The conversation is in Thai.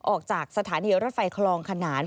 ออกจากสถานีรถไฟคลองขนาน